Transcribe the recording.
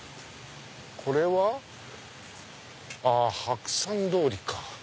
これは白山通りか。